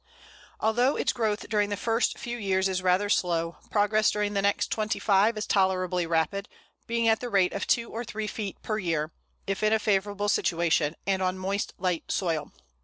Although its growth during the first few years is rather slow, progress during the next twenty five years is tolerably rapid, being at the rate of two or three feet per year, if in a favourable situation, and on moist light soil.